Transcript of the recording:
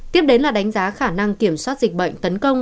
tiếp đến là đánh giá khả năng kiểm soát dịch bệnh tấn công